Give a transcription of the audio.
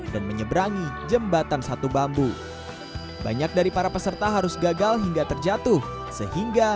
dan menyeberangi jembatan satu bambu banyak dari para peserta harus gagal hingga terjatuh sehingga